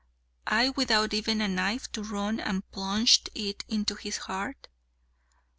I without even a knife to run and plunge into his heart?'